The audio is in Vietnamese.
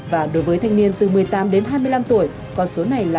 và đối với thanh niên từ một mươi tám đến hai mươi năm tuổi con số này là ba mươi năm